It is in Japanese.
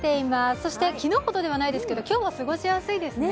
そして昨日ほどではないですけど、今日も過ごしやすいですね。